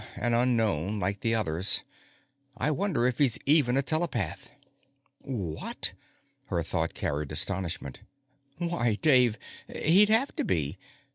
An unknown, like the others. I wonder if he's even a telepath._ What? Her thought carried astonishment. Why, Dave he'd have _to be!